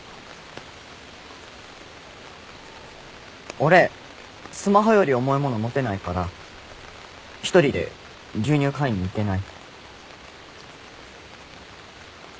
俺スマホより重いもの持てないから一人で牛乳買いに行けない。